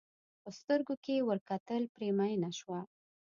په سترګو کې یې ور کتل پرې مینه شوه.